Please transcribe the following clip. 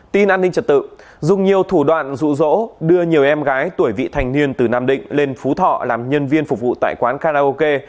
tin an ninh trật tự dùng nhiều thủ đoạn rụ rỗ đưa nhiều em gái tuổi vị thành niên từ nam định lên phú thọ làm nhân viên phục vụ tại quán karaoke